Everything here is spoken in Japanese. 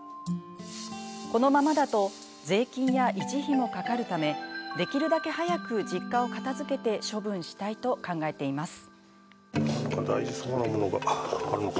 このままだと税金や維持費もかかるためできるだけ早く実家を片づけて処分したいと考えています。